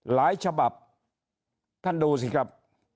ฉบับท่านดูสิครับ